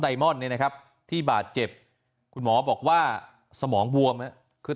ไดมอนนี่นะครับที่บาดเจ็บหมอบอกว่าสมองว่วมเนี่ยคือ